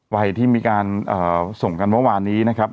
วัยที่มีการส่งกันเมื่อวานนี้นะครับ